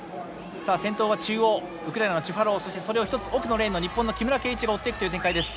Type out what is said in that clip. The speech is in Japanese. さあ先頭は中央ウクライナのチュファロウそしてそれを一つ奥のレーンの日本の木村敬一が追っていくという展開です。